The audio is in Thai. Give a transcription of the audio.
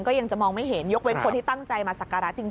ยังจะมองไม่เห็นยกเว้นคนที่ตั้งใจมาสักการะจริง